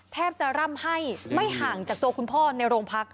แทบจะร่ำให้ไม่ห่างจากตัวคุณพ่อในโรงพัก